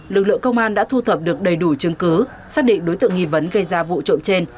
lực lượng công an đã thu thập được đầy đủ chứng cứ xác định đối tượng nghi vấn gây ra vụ trộm trên